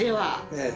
ええ。